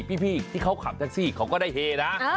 พี่ที่เขาขับแท็กซี่เขาก็ได้เฮนะ